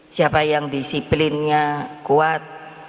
siapa yang disiplinnya kuat